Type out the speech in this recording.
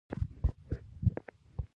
نو د اعتدال خبرې ته هم